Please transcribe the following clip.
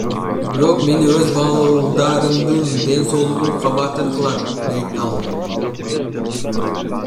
Бирок мени өз балдарымдын ден соолугу кабатыр кылат, — дейт ал.